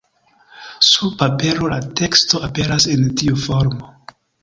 Sur papero la teksto aperas en tiu formo.